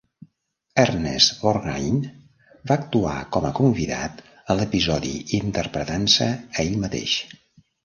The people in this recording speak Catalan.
Ernest Borgnine va actuar com a convidat a l'episodi interpretant-se a ell mateix.